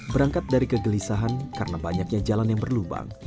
berangkat dari kegelisahan karena banyaknya jalan yang berlubang